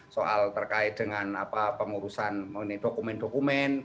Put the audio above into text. soal terkait dengan pengurusan mengenai dokumen dokumen